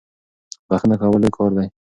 بخښنه کول لوی کار دی.